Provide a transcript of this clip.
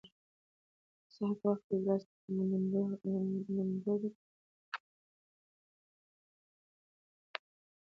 د سهار په وخت کې یو ګیلاس نیمګرمې اوبه لویه ګټه لري.